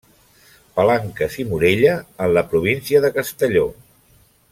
Palanques i Morella en la província de Castelló.